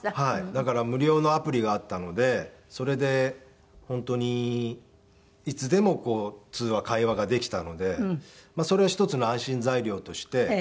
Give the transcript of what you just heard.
だから無料のアプリがあったのでそれで本当にいつでも通話会話ができたのでそれを一つの安心材料として。